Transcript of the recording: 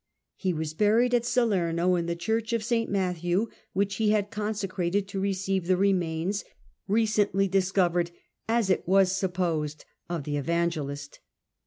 He was buried at Salerno, in the Church of St. Matthew, which he had consecrated to receive the re mains, recently discovered, as it was supposed, of the Evangelist.